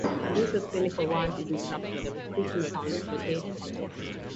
Louisa's cynical rant is interrupted by the creaking sounds of a dead-cart passing by.